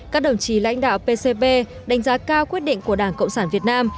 các đồng chí lãnh đạo pcp đánh giá cao quyết định của đảng cộng sản việt nam